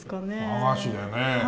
和菓子でね。